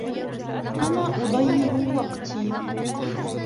أنا أضيع وقتي.